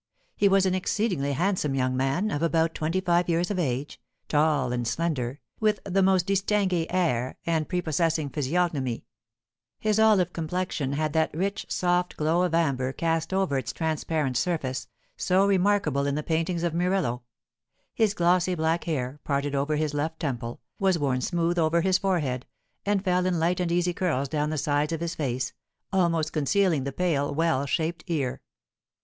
He was an exceedingly handsome young man, of about twenty five years of age, tall and slender, with the most distingué air and prepossessing physiognomy; his olive complexion had that rich, soft glow of amber cast over its transparent surface, so remarkable in the paintings of Murillo; his glossy black hair, parted over his left temple, was worn smooth over his forehead, and fell in light and easy curls down the sides of his face, almost concealing the pale, well shaped ear.